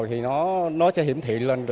thì nó sẽ hiểm thiện lên